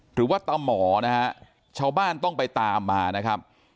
หรือว่าตามหมอนะฮะชาวบ้านต้องไปตามมานะครับ